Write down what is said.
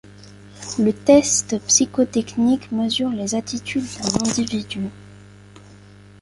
Le test psychotechnique mesure les aptitudes d'un individu.